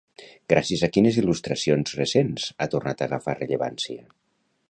Gràcies a quines il·lustracions recents ha tornat a agafar rellevància?